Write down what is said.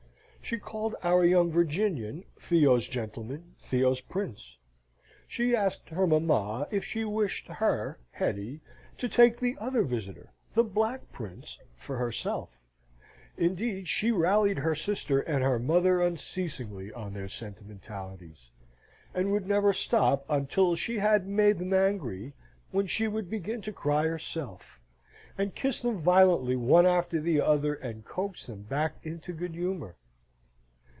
She called our young Virginian Theo's gentleman, Theo's prince. She asked her mamma if she wished her, Hetty, to take the other visitor, the black prince, for herself? Indeed, she rallied her sister and her mother unceasingly on their sentimentalities, and would never stop until she had made them angry, when she would begin to cry herself, and kiss them violently one after the other, and coax them back into good humour.